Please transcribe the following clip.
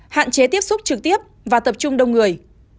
hạn chế tiếp xúc trực tiếp và tập trung đông người